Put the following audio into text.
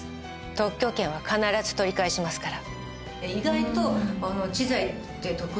特許権は必ず取り返しますから。